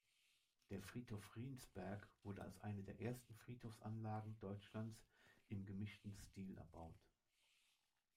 Der Friedhof Riensberg wurde als eine der ersten Friedhofsanlagen Deutschlands im "gemischten Stil" erbaut.